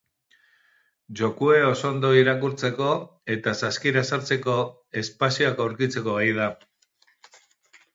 Jokoa oso ondo irakurtzeko eta saskira sartzeko espazioak aurkitzeko gai da.